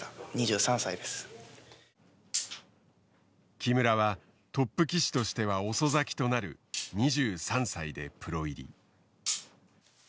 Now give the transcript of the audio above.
木村はトップ棋士としては遅咲きとなる２３歳でプロ入り。